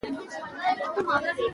ژبه د انسان شخصیت جوړوي.